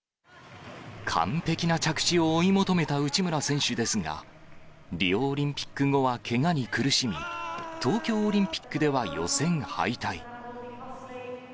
完璧な着地を追い求めた内村選手ですが、リオオリンピック後はけがに苦しみ、東京オリンピックでは予選敗退。